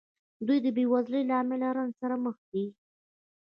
دوی د بېوزلۍ له امله له رنځ سره مخ دي.